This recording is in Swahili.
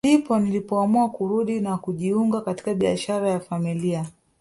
Ndipo nilipoamua kurudi na kujiunga katika biashara ya familia